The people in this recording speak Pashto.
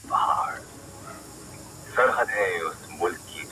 دښځو پر مخ تيزاب شيندل